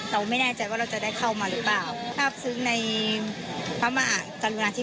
เราไม่แน่ใจว่าเราจะได้เข้ามาหรือเปล่า